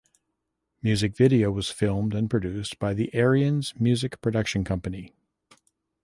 Music Video was filmed and produced by the Aryans Music production company.